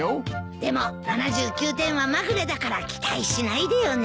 でも７９点はまぐれだから期待しないでよね。